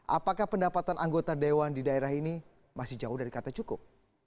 apakah pendapatan anggota dewan di daerah ini masih jauh dari kata cukup